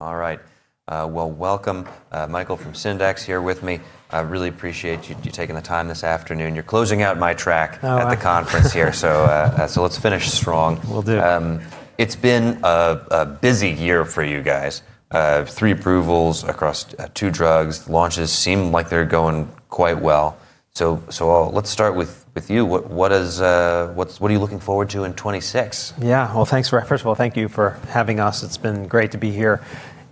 All right. Well, welcome, Michael from Syndax here with me. I really appreciate you taking the time this afternoon. You're closing out my track at the conference here, so let's finish strong. Will do. It's been a busy year for you guys. Three approvals across two drugs. Launches seem like they're going quite well. So let's start with you. What are you looking forward to in 2026? Yeah. Well, thanks, first of all, thank you for having us. It's been great to be here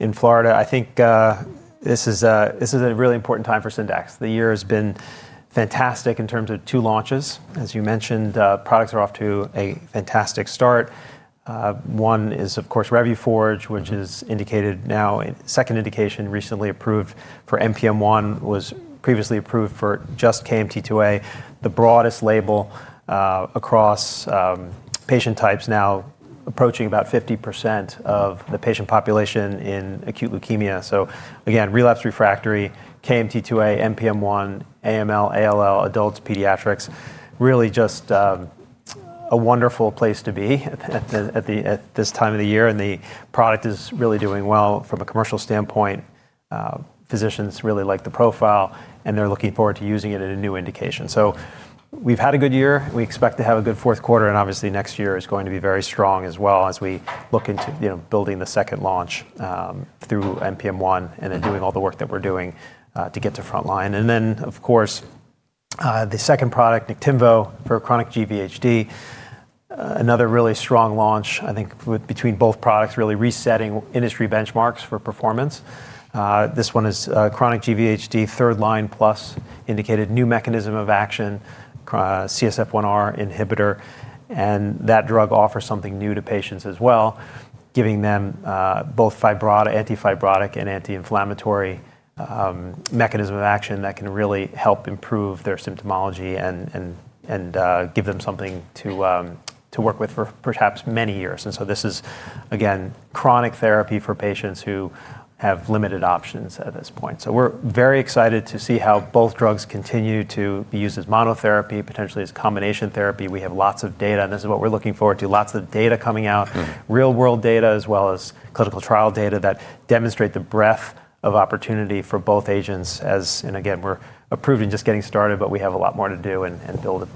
in Florida. I think this is a really important time for Syndax. The year has been fantastic in terms of two launches. As you mentioned, products are off to a fantastic start. One is, of course, Revuforj, which is indicated now. Second indication, recently approved for NPM1, was previously approved for just KMT2A, the broadest label across patient types, now approaching about 50% of the patient population in acute leukemia. So again, relapsed/refractory, KMT2A, NPM1, AML, ALL, adults, pediatrics, really just a wonderful place to be at this time of the year. And the product is really doing well from a commercial standpoint. Physicians really like the profile, and they're looking forward to using it at a new indication. So we've had a good year. We expect to have a good fourth quarter. And obviously, next year is going to be very strong as well as we look into building the second launch through NPM1 and then doing all the work that we're doing to get to frontline. And then, of course, the second product, Niktimvo for chronic GVHD, another really strong launch, I think, between both products, really resetting industry benchmarks for performance. This one is chronic GVHD, third line plus, indicated new mechanism of action, CSF1R inhibitor. And that drug offers something new to patients as well, giving them both anti-fibrotic and anti-inflammatory mechanism of action that can really help improve their symptomology and give them something to work with for perhaps many years. And so this is, again, chronic therapy for patients who have limited options at this point. So we're very excited to see how both drugs continue to be used as monotherapy, potentially as combination therapy. We have lots of data, and this is what we're looking forward to, lots of data coming out, real-world data as well as clinical trial data that demonstrate the breadth of opportunity for both agents. And again, we're approved and just getting started, but we have a lot more to do and build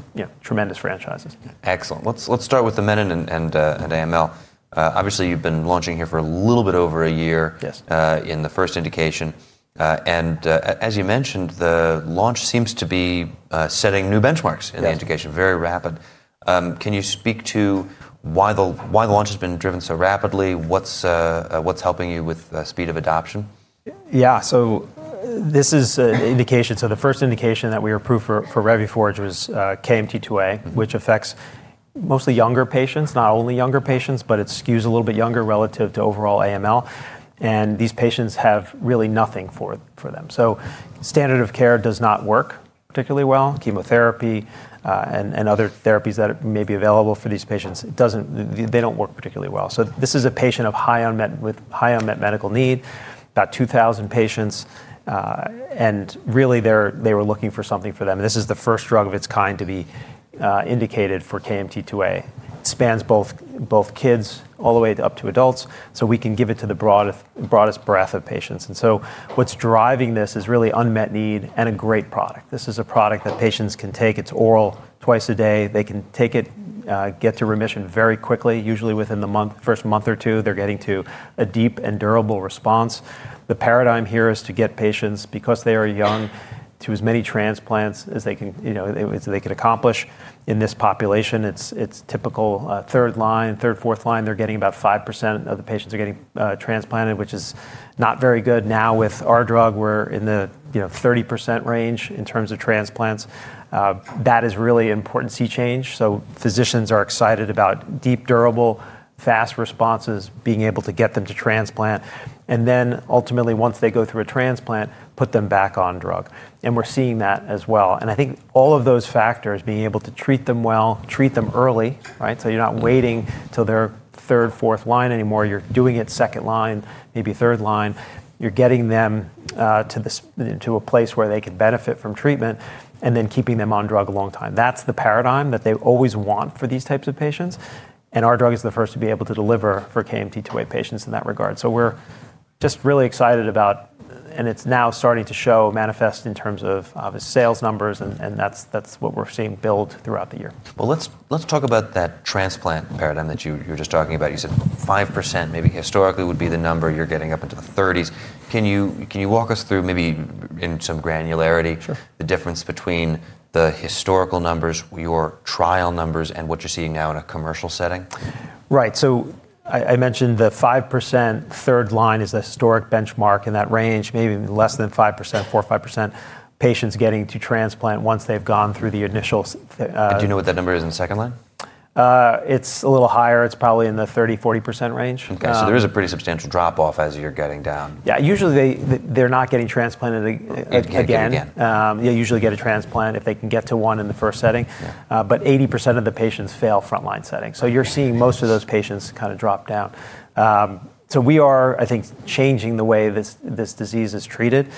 tremendous franchises. Excellent. Let's start with the menin and AML. Obviously, you've been launching here for a little bit over a year in the first indication. And as you mentioned, the launch seems to be setting new benchmarks in the indication, very rapid. Can you speak to why the launch has been driven so rapidly? What's helping you with speed of adoption? Yeah. So this is an indication. So the first indication that we approved for Revuforj was KMT2A, which affects mostly younger patients, not only younger patients, but it skews a little bit younger relative to overall AML. And these patients have really nothing for them. So standard of care does not work particularly well. Chemotherapy and other therapies that may be available for these patients, they don't work particularly well. So this is a patient with high unmet medical need, about 2,000 patients. And really, they were looking for something for them. This is the first drug of its kind to be indicated for KMT2A. It spans both kids all the way up to adults. So we can give it to the broadest breadth of patients. And so what's driving this is really unmet need and a great product. This is a product that patients can take. It's oral twice a day. They can take it, get to remission very quickly, usually within the first month or two. They're getting to a deep and durable response. The paradigm here is to get patients, because they are young, to as many transplants as they can accomplish in this population. It's typical third line, third, fourth line. They're getting about 5% of the patients are getting transplanted, which is not very good. Now with our drug, we're in the 30% range in terms of transplants. That is really an important sea change. So physicians are excited about deep, durable, fast responses, being able to get them to transplant. And then ultimately, once they go through a transplant, put them back on drug. And we're seeing that as well. And I think all of those factors, being able to treat them well, treat them early, right? So you're not waiting till their third, fourth line anymore. You're doing it second line, maybe third line. You're getting them to a place where they can benefit from treatment and then keeping them on drug a long time. That's the paradigm that they always want for these types of patients. And our drug is the first to be able to deliver for KMT2A patients in that regard. So we're just really excited about, and it's now starting to show manifest in terms of sales numbers. And that's what we're seeing build throughout the year. Let's talk about that transplant paradigm that you were just talking about. You said 5% maybe historically would be the number you're getting up into the 30s. Can you walk us through maybe in some granularity the difference between the historical numbers, your trial numbers, and what you're seeing now in a commercial setting? Right. So I mentioned the 5% third line is the historic benchmark in that range, maybe less than 5%, 4%, 5% patients getting to transplant once they've gone through the initial. Do you know what that number is in the second line? It's a little higher. It's probably in the 30%-40% range. Okay. So there is a pretty substantial drop-off as you're getting down. Yeah. Usually, they're not getting transplanted again. They usually get a transplant if they can get to one in the first setting. But 80% of the patients fail frontline setting. So you're seeing most of those patients kind of drop down. So we are, I think, changing the way this disease is treated.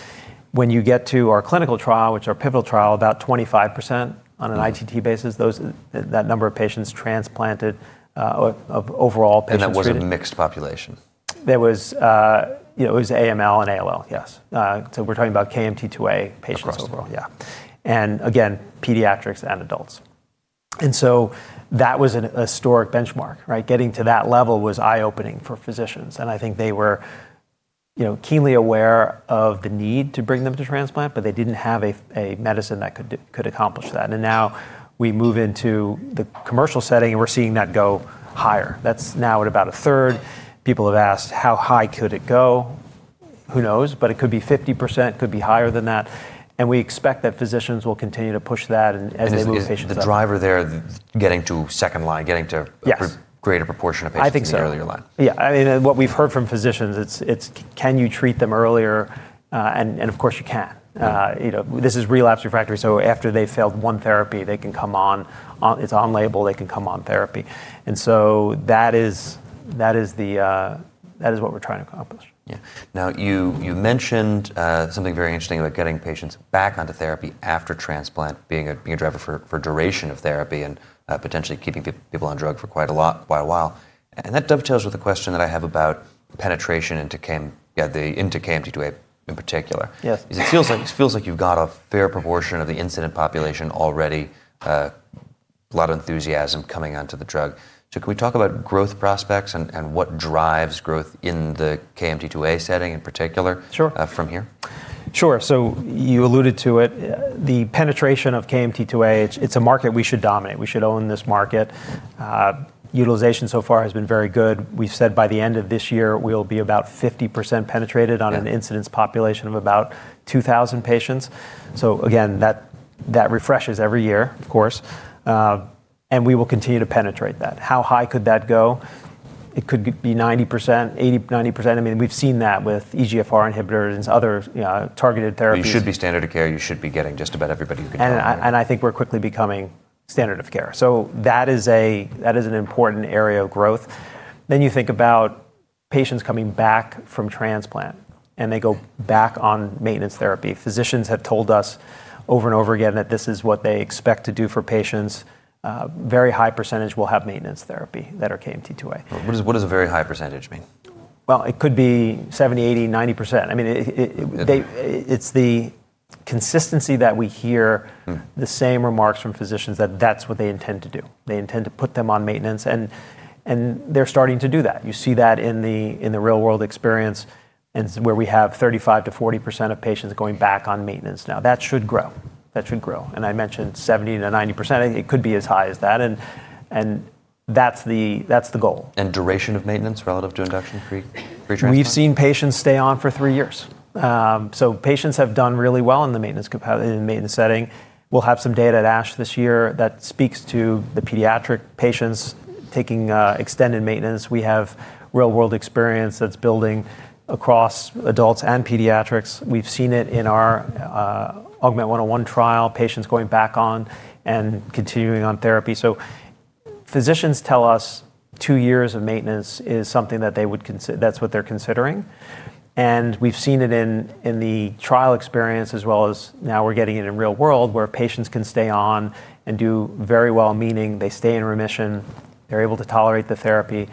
When you get to our clinical trial, which is our pivotal trial, about 25% on an ITT basis, that number of patients transplanted of overall patients. That was a mixed population? It was AML and ALL, yes. So we're talking about KMT2A patients overall. Across the board. Yeah. And again, pediatrics and adults. And so that was a historic benchmark, right? Getting to that level was eye-opening for physicians. And I think they were keenly aware of the need to bring them to transplant, but they didn't have a medicine that could accomplish that. And now we move into the commercial setting, and we're seeing that go higher. That's now at about a third. People have asked, how high could it go? Who knows? But it could be 50%, could be higher than that. And we expect that physicians will continue to push that as they move patients up. So the driver there is getting to second line, getting to a greater proportion of patients in the earlier line. Yeah. What we've heard from physicians, it's, can you treat them earlier? And of course, you can. This is relapsed/refractory. So after they've failed one therapy, they can come on. It's on label. They can come on therapy. And so that is what we're trying to accomplish. Yeah. Now, you mentioned something very interesting about getting patients back onto therapy after transplant, being a driver for duration of therapy and potentially keeping people on drug for quite a while. And that dovetails with the question that I have about penetration into KMT2A in particular. It feels like you've got a fair proportion of the incidence population already, a lot of enthusiasm coming onto the drug. So can we talk about growth prospects and what drives growth in the KMT2A setting in particular from here? Sure. So you alluded to it. The penetration of KMT2A, it's a market we should dominate. We should own this market. Utilization so far has been very good. We've said by the end of this year, we'll be about 50% penetrated on an incidence population of about 2,000 patients. So again, that refreshes every year, of course. And we will continue to penetrate that. How high could that go? It could be 90%, 80%, 90%. We've seen that with EGFR inhibitors and other targeted therapies. You should be standard of care. You should be getting just about everybody who can tolerate it. I think we're quickly becoming standard of care. So that is an important area of growth. You think about patients coming back from transplant, and they go back on maintenance therapy. Physicians have told us over and over again that this is what they expect to do for patients. Very high percentage will have maintenance therapy that are KMT2A. What does a very high percentage mean? It could be 70%, 80%, 90%. It's the consistency that we hear the same remarks from physicians that that's what they intend to do. They intend to put them on maintenance. And they're starting to do that. You see that in the real-world experience and where we have 35%-40% of patients going back on maintenance now. That should grow. That should grow. And I mentioned 70%-90%. It could be as high as that. And that's the goal. Duration of maintenance relative to induction? We've seen patients stay on for three years. So patients have done really well in the maintenance setting. We'll have some data at ASH this year that speaks to the pediatric patients taking extended maintenance. We have real-world experience that's building across adults and pediatrics. We've seen it in our Augment 101 trial, patients going back on and continuing on therapy. So physicians tell us two years of maintenance is something that they would consider. That's what they're considering. And we've seen it in the trial experience as well as now we're getting it in real world where patients can stay on and do very well, meaning they stay in remission, they're able to tolerate the therapy,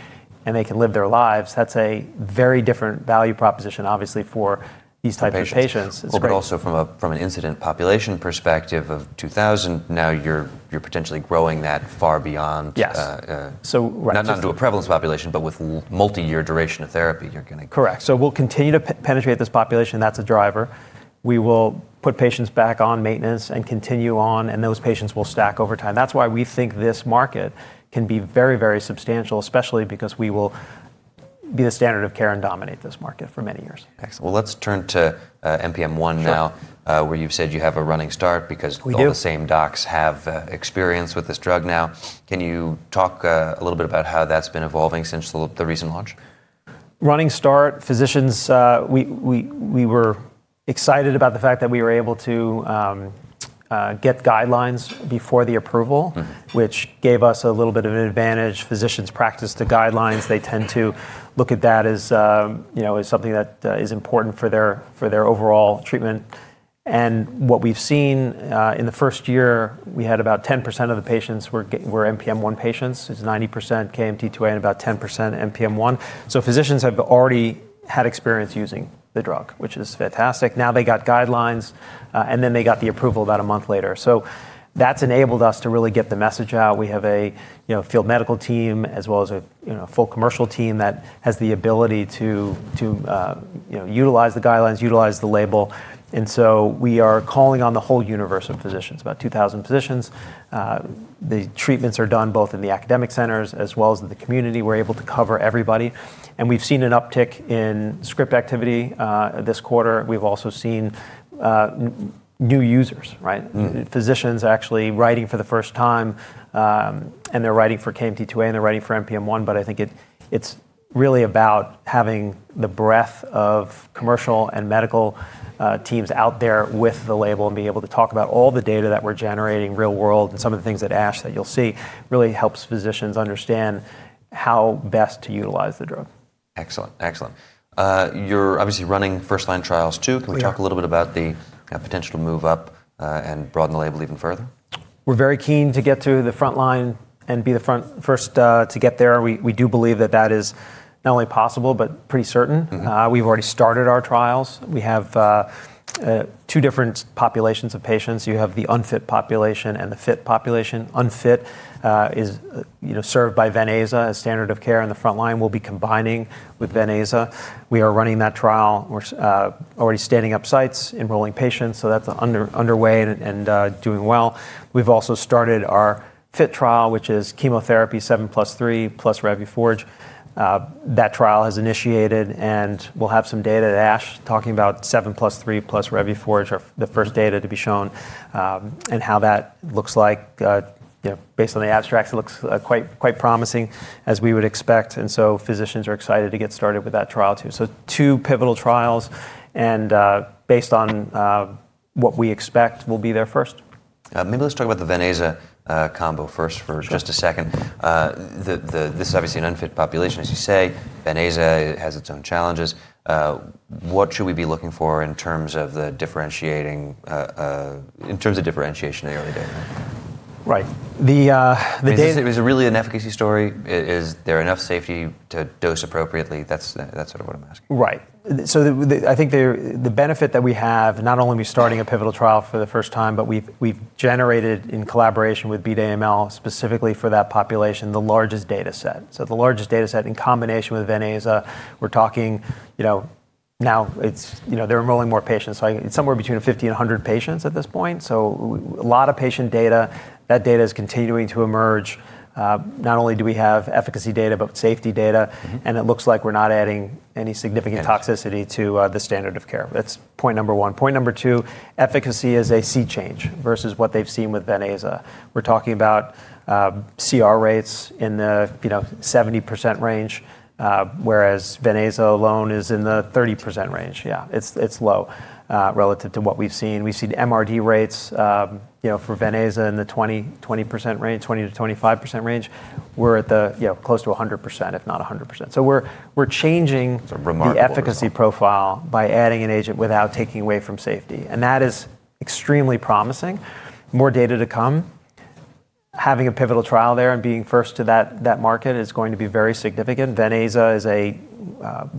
and they can live their lives. That's a very different value proposition, obviously, for these types of patients. But also from an incidence population perspective of 2,000, now you're potentially growing that far beyond. Yes. Not just to a prevalence population, but with multi-year duration of therapy, you're going to. Correct. So we'll continue to penetrate this population. That's a driver. We will put patients back on maintenance and continue on. And those patients will stack over time. That's why we think this market can be very, very substantial, especially because we will be the standard of care and dominate this market for many years. Excellent. Let's turn to NPM1 now, where you've said you have a running start because all the same docs have experience with this drug now. Can you talk a little bit about how that's been evolving since the recent launch? Running start. Physicians, we were excited about the fact that we were able to get guidelines before the approval, which gave us a little bit of an advantage. Physicians practice to guidelines. They tend to look at that as something that is important for their overall treatment. And what we've seen in the first year, we had about 10% of the patients were NPM1 patients. It's 90% KMT2A and about 10% NPM1. So physicians have already had experience using the drug, which is fantastic. Now they got guidelines, and then they got the approval about a month later. So that's enabled us to really get the message out. We have a field medical team as well as a full commercial team that has the ability to utilize the guidelines, utilize the label. And so we are calling on the whole universe of physicians, about 2,000 physicians. The treatments are done both in the academic centers as well as in the community. We're able to cover everybody, and we've seen an uptick in script activity this quarter. We've also seen new users, right? Physicians actually writing for the first time, and they're writing for KMT2A, and they're writing for NPM1, but I think it's really about having the breadth of commercial and medical teams out there with the label and being able to talk about all the data that we're generating real-world and some of the things at ASH that you'll see really helps physicians understand how best to utilize the drug. Excellent. Excellent. You're obviously running first-line trials too. Can we talk a little bit about the potential to move up and broaden the label even further? We're very keen to get to the front line and be the first to get there. We do believe that that is not only possible, but pretty certain. We've already started our trials. We have two different populations of patients. You have the unfit population and the fit population. Unfit is served by Ven-Aza as standard of care in the front line. We'll be combining with Ven/Aza. We are running that trial. We're already standing up sites, enrolling patients. So that's underway and doing well. We've also started our fit trial, which is chemotherapy 7+3 plus Revuforj. That trial has initiated, and we'll have some data at ASH talking about 7+3 plus Revuforj are the first data to be shown and how that looks like. Based on the abstracts, it looks quite promising, as we would expect. And so physicians are excited to get started with that trial too. So two pivotal trials. And based on what we expect, we'll be there first. Maybe let's talk about the Ven-Aza combo first for just a second. This is obviously an unfit population, as you say. Ven-Aza has its own challenges. What should we be looking for in terms of the differentiating in terms of differentiation in the early data? Right. Is it really an efficacy story? Is there enough safety to dose appropriately? That's sort of what I'm asking. Right. So I think the benefit that we have, not only are we starting a pivotal trial for the first time, but we've generated in collaboration with Beat AML specifically for that population, the largest data set. So the largest data set in combination with Ven/Aza. We're talking now, they're enrolling more patients. So it's somewhere between 50 and 100 patients at this point. So a lot of patient data. That data is continuing to emerge. Not only do we have efficacy data, but safety data. And it looks like we're not adding any significant toxicity to the standard of care. That's point number one. Point number two, efficacy is a sea change versus what they've seen with Ven/Aza. We're talking about CR rates in the 70% range, whereas Ven/Aza alone is in the 30% range. Yeah, it's low relative to what we've seen. We see MRD rates for Ven/Aza in the 20%-20% range, 20%-25% range. We're at close to 100%, if not 100%. So we're changing the efficacy profile by adding an agent without taking away from safety. And that is extremely promising. More data to come. Having a pivotal trial there and being first to that market is going to be very significant. Ven/Aza is a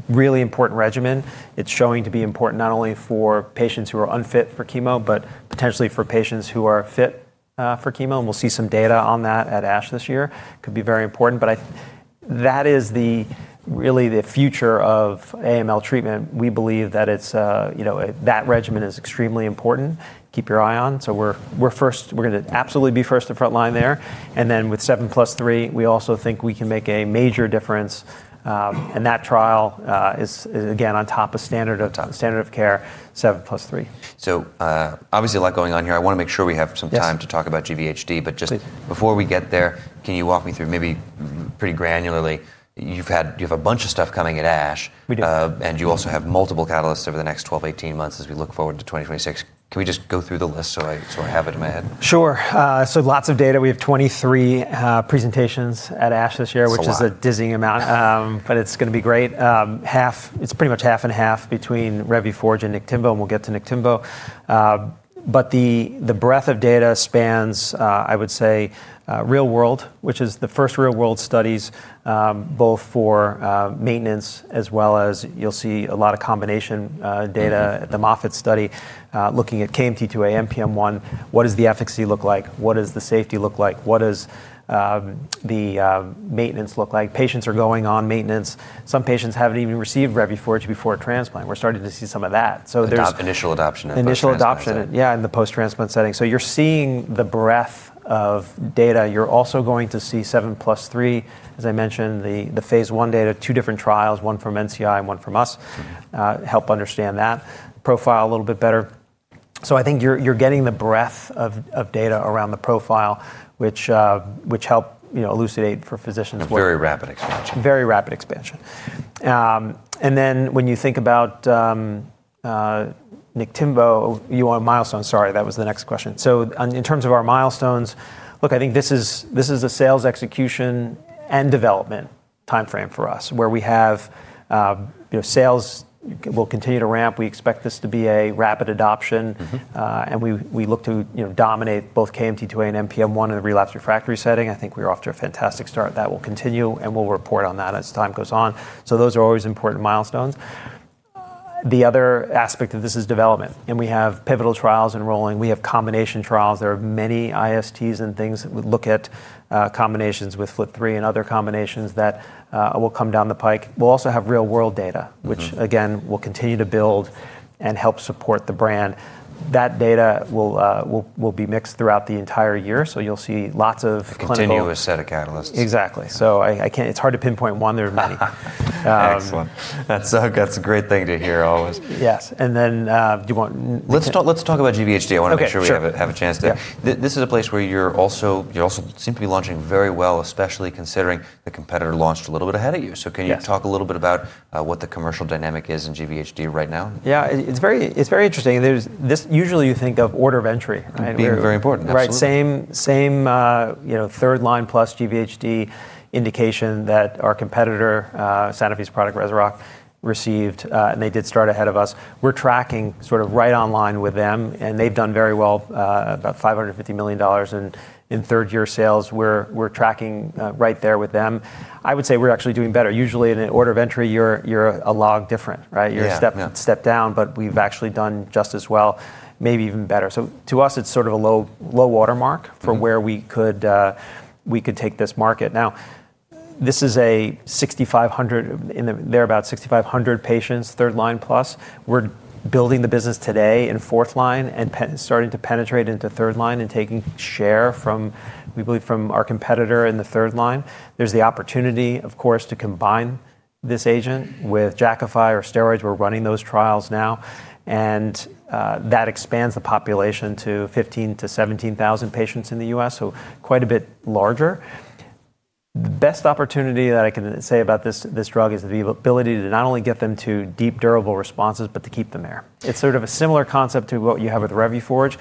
really important regimen. It's showing to be important not only for patients who are unfit for chemo, but potentially for patients who are fit for chemo. And we'll see some data on that at ASH this year. It could be very important. But that is really the future of AML treatment. We believe that that regimen is extremely important to keep your eye on. So we're going to absolutely be first and front line there. And then with 7+3, we also think we can make a major difference. And that trial is, again, on top of standard of care, 7+3. So obviously a lot going on here. I want to make sure we have some time to talk about GVHD. But just before we get there, can you walk me through maybe pretty granularly? You have a bunch of stuff coming at ASH. We do. And you also have multiple catalysts over the next 12, 18 months as we look forward to 2026. Can we just go through the list so I have it in my head? Sure. So lots of data. We have 23 presentations at ASH this year, which is a dizzying amount. But it's going to be great. It's pretty much half and half between Revuforj and Niktimvo, and we'll get to Niktimvo. But the breadth of data spans, I would say, real world, which is the first real world studies, both for maintenance as well as you'll see a lot of combination data at the Moffitt study looking at KMT2A, NPM1. What does the efficacy look like? What does the safety look like? What does the maintenance look like? Patients are going on maintenance. Some patients haven't even received Revuforj before transplant. We're starting to see some of that. Not initial adoption at that point. Initial adoption, yeah, in the post-transplant setting so you're seeing the breadth of data. You're also going to see 7+3, as I mentioned, the phase one data, two different trials, one from NCI and one from us, help understand that profile a little bit better so I think you're getting the breadth of data around the profile, which helps elucidate for physicians. It's very rapid expansion. Very rapid expansion and then when you think about Niktimvo, you want milestones, sorry. That was the next question in terms of our milestones. Look, I think this is a sales execution and development timeframe for us where we have sales will continue to ramp. We expect this to be a rapid adoption and we look to dominate both KMT2A and NPM1 in the relapsed/refractory setting. I think we're off to a fantastic start. That will continue, and we'll report on that as time goes on, so those are always important milestones. The other aspect of this is development and we have pivotal trials enrolling. We have combination trials. There are many ISTs and things that would look at combinations with FLT3 and other combinations that will come down the pike. We'll also have real-world data, which, again, we'll continue to build and help support the brand. That data will be mixed throughout the entire year. So you'll see lots of clinical. Continuous set of catalysts. Exactly. So it's hard to pinpoint one. There are many. Excellent. That's a great thing to hear always. Yes. And then do you want? Let's talk about GVHD. I want to make sure we have a chance to. This is a place where you also seem to be launching very well, especially considering the competitor launched a little bit ahead of you. So can you talk a little bit about what the commercial dynamic is in GVHD right now? Yeah, it's very interesting. Usually, you think of order of entry. Very important. Right. Same third-line plus GVHD indication that our competitor, Sanofi's product, Rezurock, received, and they did start ahead of us. We're tracking sort of right on line with them, and they've done very well, about $550 million in third-year sales. We're tracking right there with them. I would say we're actually doing better. Usually, in an order of entry, you're a log different, right? You're a step down, but we've actually done just as well, maybe even better, so to us, it's sort of a low watermark for where we could take this market. Now, this is about 6,500 patients, third-line plus. We're building the business today in fourth-line and starting to penetrate into third-line and taking share, we believe, from our competitor in the third-line. There's the opportunity, of course, to combine this agent with Jakafi or steroids. We're running those trials now. And that expands the population to 15,000 to 17,000 patients in the US. So quite a bit larger. The best opportunity that I can say about this drug is the ability to not only get them to deep, durable responses, but to keep them there. It's sort of a similar concept to what you have with Revuforj.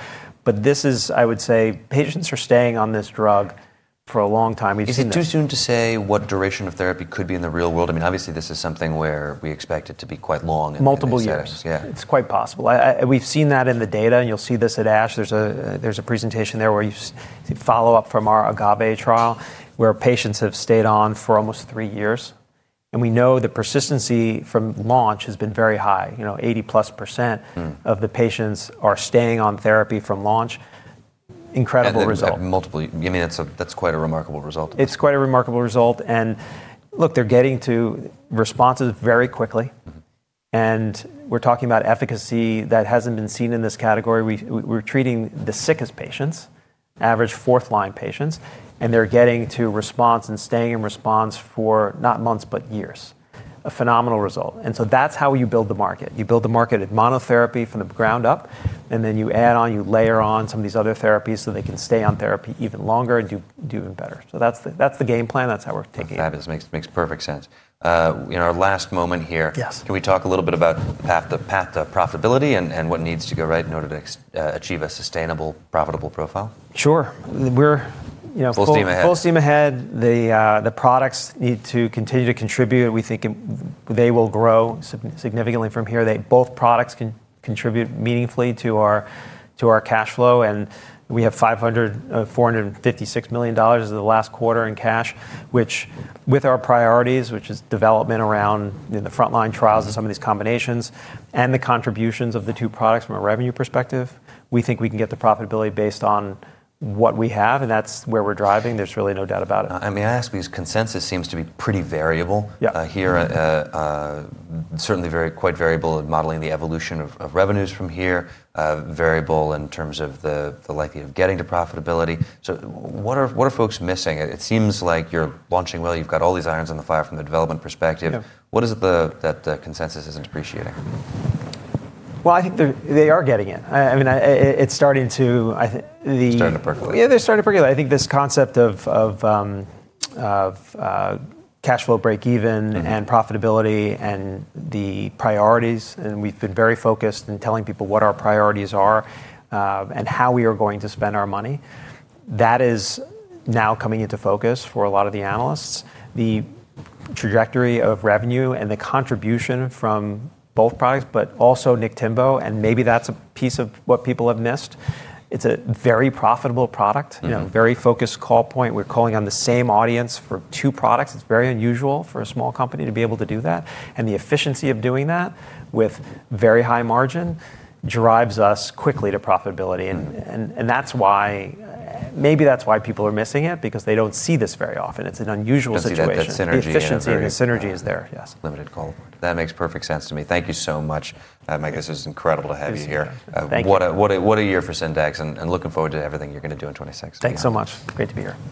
But this is, I would say, patients are staying on this drug for a long time. Is it too soon to say what duration of therapy could be in the real world? Obviously, this is something where we expect it to be quite long in the real world. Multiple years. It's quite possible. We've seen that in the data. And you'll see this at ASH. There's a presentation there where you follow up from our Agave trial, where patients have stayed on for almost three years. And we know the persistency from launch has been very high. 80-plus% of the patients are staying on therapy from launch. Incredible result. That's quite a remarkable result. It's quite a remarkable result. And look, they're getting to responses very quickly. And we're talking about efficacy that hasn't been seen in this category. We're treating the sickest patients, average fourth line patients. And they're getting to response and staying in response for not months, but years. A phenomenal result. And so that's how you build the market. You build the market at monotherapy from the ground up. And then you add on, you layer on some of these other therapies so they can stay on therapy even longer and do even better. So that's the game plan. That's how we're taking it. That makes perfect sense. In our last moment here, can we talk a little bit about the path to profitability and what needs to go right in order to achieve a sustainable, profitable profile? Sure. Full steam ahead. Full steam ahead. The products need to continue to contribute. We think they will grow significantly from here. Both products can contribute meaningfully to our cash flow and we have $456 million in the last quarter in cash, which with our priorities, which is development around the front line trials and some of these combinations and the contributions of the two products from a revenue perspective, we think we can get the profitability based on what we have and that's where we're driving. There's really no doubt about it. I ask because consensus seems to be pretty variable here, certainly quite variable in modeling the evolution of revenues from here, variable in terms of the likelihood of getting to profitability. So what are folks missing? It seems like you're launching well. You've got all these irons on the fire from the development perspective. What is it that consensus isn't appreciating? I think they are getting it. It's starting to. It's starting to percolate. Yeah, they're starting to percolate. I think this concept of cash flow break-even and profitability and the priorities, and we've been very focused in telling people what our priorities are and how we are going to spend our money, that is now coming into focus for a lot of the analysts. The trajectory of revenue and the contribution from both products, but also Niktimvo, and maybe that's a piece of what people have missed. It's a very profitable product, very focused call point. We're calling on the same audience for two products. It's very unusual for a small company to be able to do that. And the efficiency of doing that with very high margin drives us quickly to profitability. And maybe that's why people are missing it, because they don't see this very often. It's an unusual situation. That synergy. Efficiency and the synergy is there, yes. Limited call. That makes perfect sense to me. Thank you so much. Mike, this is incredible to have you here. Thank you. What a year for Syndax and looking forward to everything you're going to do in 2026. Thanks so much. Great to be here.